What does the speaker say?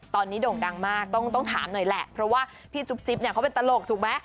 ตอนนี้โด่งดังมากต้องถามหน่อยแหละเพราะว่าพี่จุ๊บจิ๊บเนี่ยเขาเป็นตลกถูกไหม